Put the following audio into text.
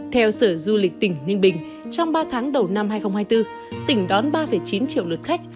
theo sở du lịch tỉnh ninh bình trong ba tháng đầu năm hai nghìn hai mươi bốn tỉnh đón ba chín triệu lượt khách